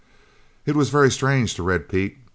It was very strange to Red Pete.